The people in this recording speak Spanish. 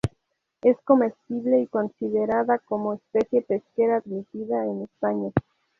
Es comestible y considerada como especie pesquera admitida en España.